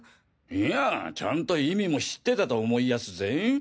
いやぁちゃんと意味も知ってたと思いやすぜぇ？